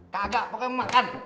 kagak pokoknya makan